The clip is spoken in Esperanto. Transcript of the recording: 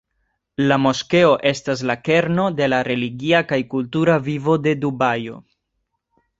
La moskeo estas la kerno de la religia kaj kultura vivo de Dubajo.